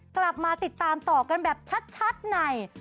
กลับมาติดตามต่อกันแบบชัดใน